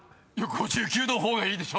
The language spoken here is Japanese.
「５９」の方がいいでしょ